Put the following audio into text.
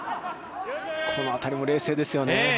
この辺りも冷静ですよね。